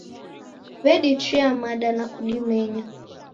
W'edichuya mada na kudimenya.